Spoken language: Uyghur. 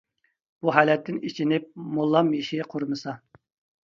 بۇ ھالەتتىن ئېچىنىپ موللام يېشى قۇرمىسا.